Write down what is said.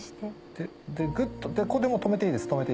でグッとここで止めていいです。